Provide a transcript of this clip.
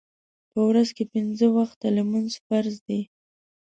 په ورځ کې پینځه وخته لمونځ فرض دی.